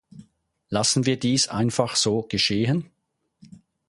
Lassen wir dies einfach so geschehen?